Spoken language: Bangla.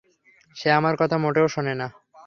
সে আমার কথা মোটেও শোনে না।